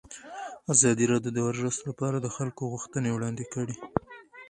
ازادي راډیو د ورزش لپاره د خلکو غوښتنې وړاندې کړي.